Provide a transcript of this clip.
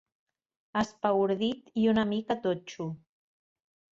Espaordit i una mica totxo.